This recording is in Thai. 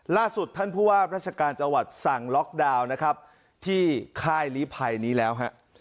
ล่าสุดท่านผู้ว่าราชการจังหวัดสั่งล็อกดาวน์นะครับที่ค่ายลีภัยนี้แล้วฮะ